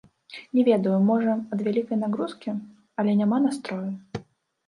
Не ведаю, можа, ад вялікай нагрузкі, але няма настрою!